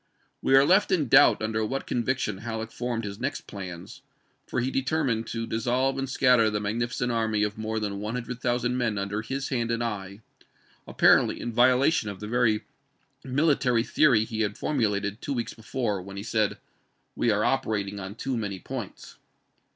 We are left in doubt under what conviction Halleck formed his next plans, for he determined to dis solve and scatter the magnificent army of more than one hundred thousand men under his hand and eye ; apparently in violation of the very mili tary theory he had formulated two weeks before, when he said, "We are operating on too many points."